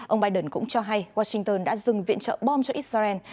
ông biden cũng cho hay washington đã dừng viện trợ bom cho israel